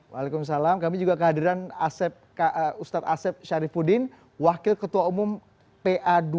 waalaikumsalam kami juga kehadiran asep ustadz asep syarifudin wakil ketua umum pa dua ratus dua belas